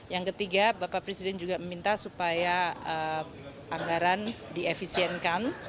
yang ketiga bapak presiden juga meminta supaya anggaran diefisienkan